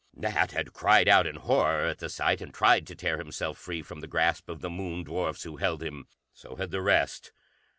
Nat had cried out in horror at the sight, and tried to tear himself free from the grasp of the Moon dwarfs who held him. So had the rest.